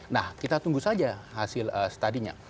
nah kita tunggu saja hasil studinya